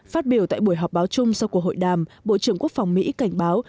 phát biểu tại buổi họp báo chung sau cuộc hội đàm bộ trưởng quốc phòng mỹ cảnh báo